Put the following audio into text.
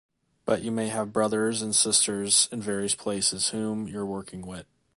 But you may have brothers and sisters in various places whom you're working wit.